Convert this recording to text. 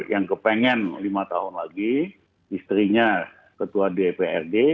yang kepengen lima tahun lagi istrinya ketua dprd